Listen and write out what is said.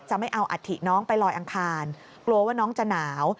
ไม่เอาอัฐิน้องไปลอยอังคารกลัวว่าน้องจะหนาว